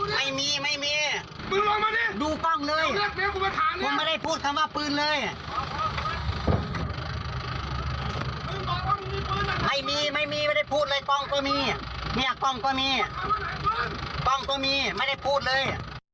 ไม่มีไม่ได้พูดเลยกล้องตัวมีนี่กล้องตัวมีกล้องตัวมีไม่ได้พูดเลย